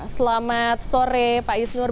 selamat sore pak isnur